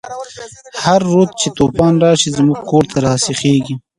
په هر رود چی توفان راشی، زموږ کور ته راسيخيږی